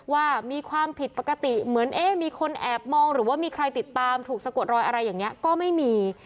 ว่ามีความผิดปกติเหมือนเอ๊ะมีคนแอบมองหรือว่ามีใครติดตามถูกสะกดรอยอะไรอย่างนี้ก็ไม่มี